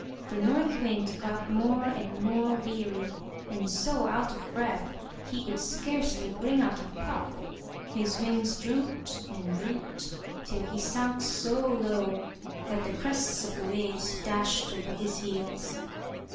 The North Wind got more and more weary, and so out of breath he could scarcely bring out a puff; his wings drooped and drooped, till he sunk so low that the crests of the waves dashed over his heels.